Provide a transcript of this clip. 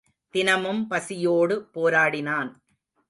தினமும் பசியோடு போராடினான்.